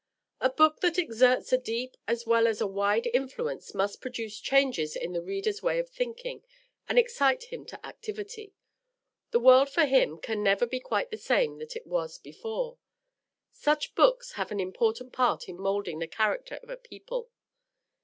A book that exerts a deep as well as a wide influence must produce changes in the reader's way of thinking, and excite him to activity; the world for him can never be quite the same that it was before. Such books have an important part in moulding the character of a people.